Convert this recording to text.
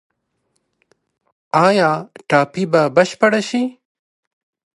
آیا ټاپي به بشپړه شي؟